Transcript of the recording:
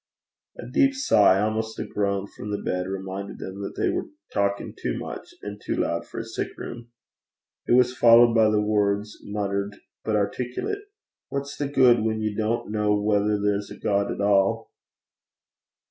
A deep sigh, almost a groan, from the bed, reminded them that they were talking too much and too loud for a sick room. It was followed by the words, muttered, but articulate, 'What's the good when you don't know whether there's a God at all?'